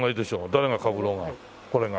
誰がかぶろうがこれが。